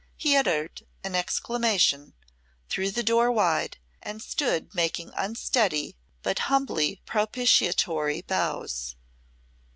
He uttered an exclamation, threw the door wide, and stood making unsteady but humbly propitiatory bows.